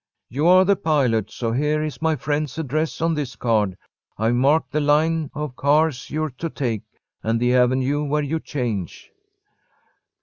"You are the pilot, so here is my friend's address on this card. I've marked the line of cars you're to take, and the avenue where you change."